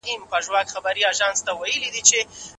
ادې چیرته څي.